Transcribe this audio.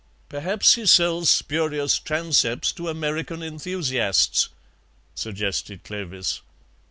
"Perhaps he sells spurious transepts to American enthusiasts," suggested Clovis.